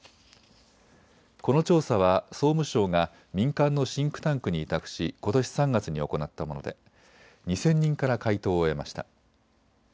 この調査は総務省が民間のシンクタンクに委託しことし３月に行ったもので２０００人から回答を得ました。